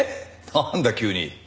なんだ急に。